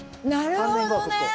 なるほどね！